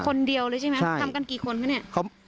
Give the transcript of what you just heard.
คนเดียวเลยใช่ไหมทำกันกี่คนคะเนี่ย